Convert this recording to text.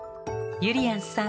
ゆりやんさん